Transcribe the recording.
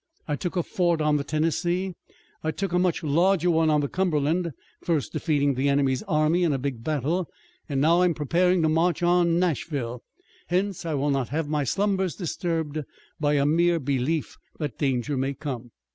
I took a fort on the Tennessee, I took a much larger one on the Cumberland, first defeating the enemy's army in a big battle, and now I am preparing to march on Nashville. Hence, I will not have my slumbers disturbed by a mere belief that danger may come."